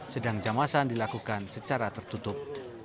sedang jamasan dilakukan secara tertutup